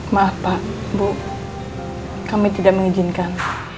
maaf pak bu kami tidak mengizinkan